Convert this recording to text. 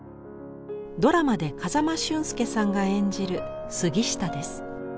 ドラマで風間俊介さんが演じる杉下です。